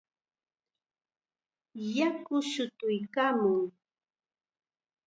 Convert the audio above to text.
Yaku shutuykaamun.